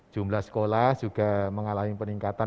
jumlah sekolah juga mengalami peningkatan